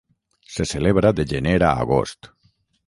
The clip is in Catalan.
Se celebra de gener a agost.